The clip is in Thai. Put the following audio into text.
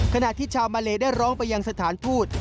ขณะที่ชาวมาเลได้ร้องไปยังสถานทูต